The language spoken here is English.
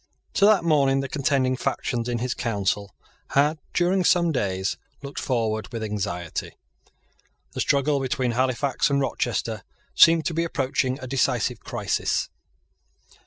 To that morning the contending factions in his council had, during some days, looked forward with anxiety. The struggle between Halifax and Rochester seemed to be approaching a decisive crisis.